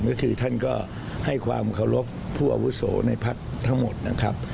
ก็คือท่านก็ให้ความเคารพผู้อาวุโสในพักทั้งหมดนะครับ